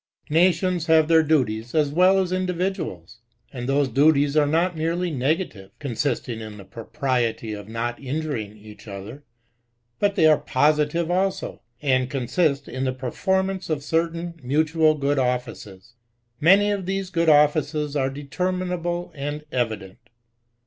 Nations have their duties as well as individuals ; and those duties are not merely negative (consisting in the propriety of not injuring each other), but they are positive also, and consist in the performance of certain mutual good offices. Many of these good offices are determinable and evident.